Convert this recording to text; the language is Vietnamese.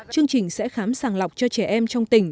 chương trình sẽ khám sàng lọc cho trẻ em trong tỉnh